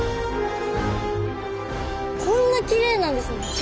こんなキレイなんですね。